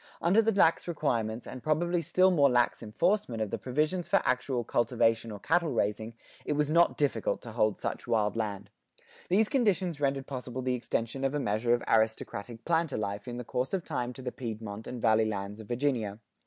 Under the lax requirements, and probably still more lax enforcement, of the provisions for actual cultivation or cattle raising,[92:1] it was not difficult to hold such wild land. These conditions rendered possible the extension of a measure of aristocratic planter life in the course of time to the Piedmont and Valley lands of Virginia.